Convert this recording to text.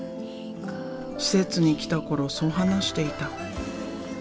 施設に来た頃そう話していた。